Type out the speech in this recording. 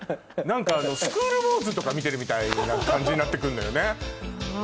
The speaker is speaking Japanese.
『スクール・ウォーズ』とか見てるみたいな感じになって来るのよね。